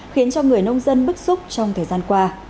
khiến cho người nông dân bức xúc trong thời gian qua